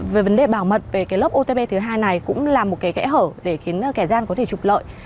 về vấn đề bảo mật về lớp otp thứ hai này cũng là một kẽ hở để khiến kẻ gian có thể chụp lợi